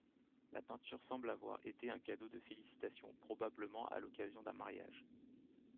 La peinture semble avoir été un cadeau de félicitation, probablement à l'occasion d'un mariage.